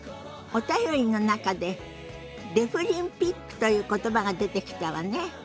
お便りの中でデフリンピックという言葉が出てきたわね。